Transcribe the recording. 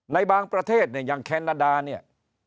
ในบางประเทศเนี่ยอย่างแคนาดาเนี่ย